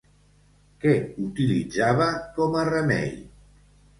Què utilitzava com a remei?